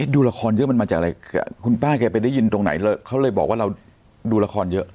ดูละครเยอะมันมาจากอะไรค่ะครับคุณป้าไปได้ยินตรงไหนแล้วเขาเลยบอกว่าดูละครเยอะ